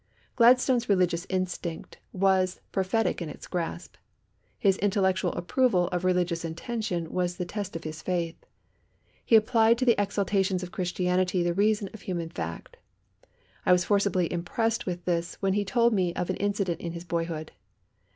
Gladstone's religious instinct was prophetic in its grasp. His intellectual approval of religious intention was the test of his faith. He applied to the exaltations of Christianity the reason of human fact. I was forcibly impressed with this when he told me of an incident in his boyhood.